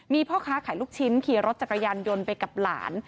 มีพ่อค้าขายลูกชิ้นขี่รถจักรยานยนต์ไปกับหลาน